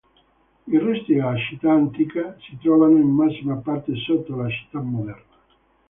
I resti della città antica si trovano in massima parte sotto la città moderna.